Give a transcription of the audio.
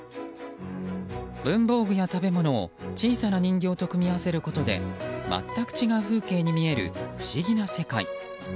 文房具や食べ物を小さな人形と組み合わせることで全く違う風景に見える不思議な世界。